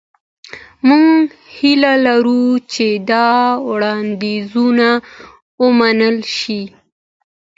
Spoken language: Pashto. موږ هیله لرو چې دا وړاندیزونه ومنل شي.